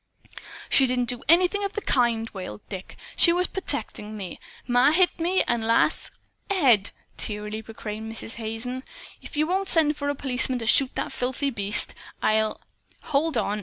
"She didn't do anything of the kind!" wailed Dick. "She was pertecting me. Ma hit me; and Lass " "Ed!" tearily proclaimed Mrs. Hazen, "if you don't send for a policeman to shoot that filthy beast, I'll " "Hold on!"